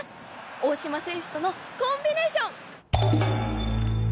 大島選手とのコンビネーション！